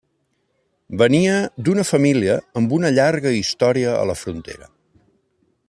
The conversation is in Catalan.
Ve nia d'una família amb una llarga història a la frontera.